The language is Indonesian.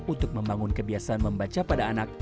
untuk membangun kebiasaan membaca pada anak